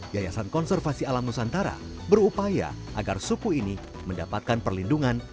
yayasan konservasi alam nusantara berupaya agar suku ini mendapatkan perlindungan